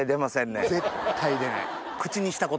絶対出ない。